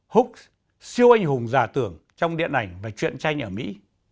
hulk siêu anh hùng giả tưởng trong điện ảnh và truyện tranh ở mỹ